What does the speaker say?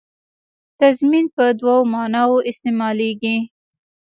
تضمین په دوو معناوو استعمالېږي.